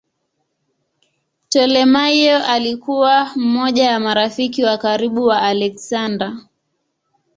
Ptolemaio alikuwa mmoja wa marafiki wa karibu wa Aleksander.